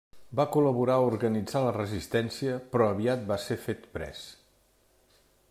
Va col·laborar a organitzar la resistència però aviat va ser fet pres.